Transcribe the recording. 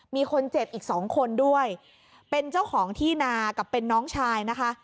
มีคนเจ็บอีกสองคนด้วยเป็นเจ้าของที่นากับเป็นน้องชายนะคะ